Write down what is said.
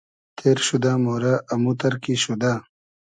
تېر شودۂ مۉرۂ اموتئر کی شودۂ